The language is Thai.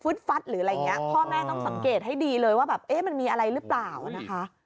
พ่อแม่ต้องสังเกตให้ดีเลยว่าแบบเอ๊ะมันมีอะไรหรือเปล่านะคะ